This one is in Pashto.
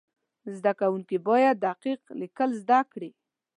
زده کوونکي باید دقیق لیکل زده کړي.